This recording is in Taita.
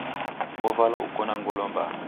Ovalwa uko na ngolo mbaa.